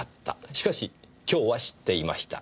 しかし今日は知っていました。